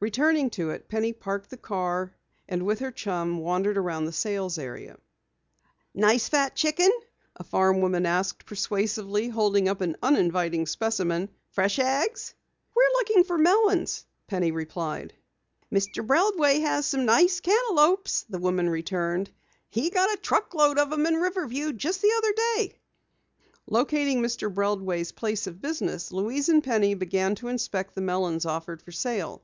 Returning to it, Penny parked the car, and with her chum wandered about the sales area. "A nice fat chicken?" a farm woman asked persuasively, holding up an uninviting specimen. "Fresh eggs?" "We're looking for melons," Penny replied. "Mr. Breldway has some nice cantaloupes," the woman returned. "He got a truck load of 'em in from Riverview just the other day." Locating Mr. Breldway's place of business, Louise and Penny began to inspect the melons offered for sale.